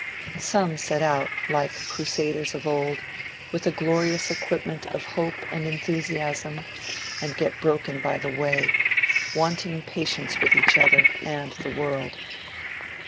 Some set out, like Crusaders of old, with a glorious equipment of hope and enthusiasm and get broken by the way, wanting patience with each other and the world.